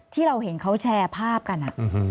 ที่เราเห็นเขาแชร์ภาพกัน